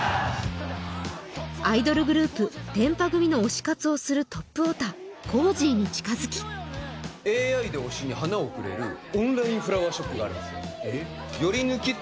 アイドルグループてんぱ組の推し活をするトップオタコージィに近づきＡＩで推しに花を贈れるオンラインフラワーショップがあるんですよえっ？